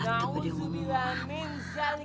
gausah bilang min syalik